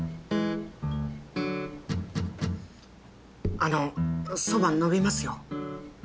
あのそばのびますよ？